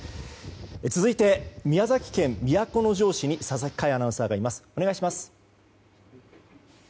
続いて、宮崎県都城市に佐々木快アナウンサーがいます。